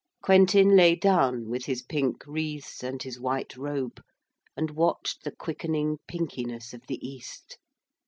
Quentin lay down, with his pink wreaths and his white robe, and watched the quickening pinkiness of the East.